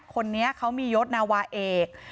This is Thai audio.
คนนี้เขามียศนาวาเอก